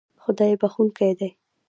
خدای بښونکی دی